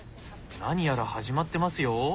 何やら始まってますよ。